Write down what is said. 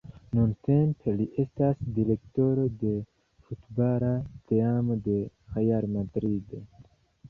Nuntempe li estas direktoro de futbala teamo de Real Madrid.